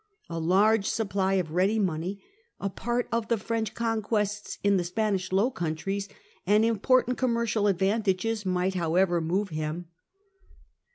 A large supply of ready money, a part of the French conquests in the Spanish Low Countries, 1667. 158 The Triple Alliance . and important commercial advantages might, however, move Trim.